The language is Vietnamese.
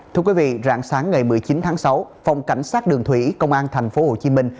thưa quý vị rạng sáng ngày một mươi chín tháng sáu phòng cảnh sát đường thủy công an thành phố hồ chí minh